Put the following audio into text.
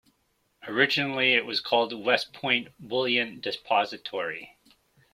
Originally it was called the West Point Bullion Depository.